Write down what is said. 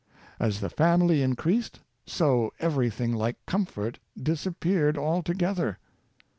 As the family increased, so everything like comfort disap peared altogether.